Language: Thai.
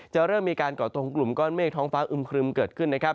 เริ่มมีการก่อตัวของกลุ่มก้อนเมฆท้องฟ้าอึมครึมเกิดขึ้นนะครับ